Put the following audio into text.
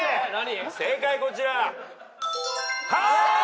正解こちら。